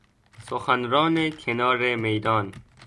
سخنران کنار میدان